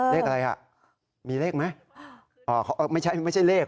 เลขอะไรฮะมีเลขไหมอ่อไม่ใช่ไม่ใช่เลข